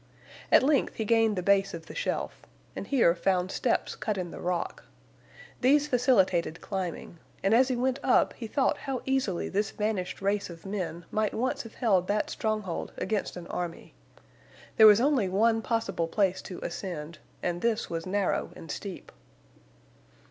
At length he gained the base of the shelf, and here found steps cut in the rock. These facilitated climbing, and as he went up he thought how easily this vanished race of men might once have held that stronghold against an army. There was only one possible place to ascend, and this was narrow and steep.